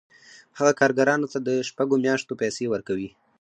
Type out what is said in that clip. هغه کارګرانو ته د شپږو میاشتو پیسې ورکوي